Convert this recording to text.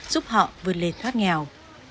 giúp họ vươn lên thoát nghèo